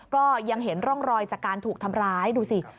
ก็ยังเห็นร่องรอยจากการถูกทำร้ายดูสิ